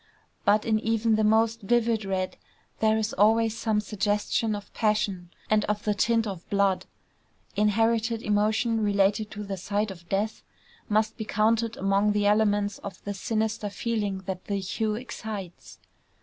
But in even the most vivid red there is always some suggestion of passion, and of the tint of blood. Inherited emotion related to the sight of death must be counted among the elements of the sinister feeling that the hue excites.